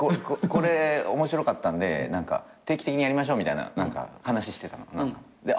これ面白かったんで定期的にやりましょうみたいな話してたの。